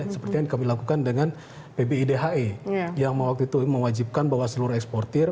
seperti yang kami lakukan dengan pbidhe yang waktu itu mewajibkan bahwa seluruh eksportir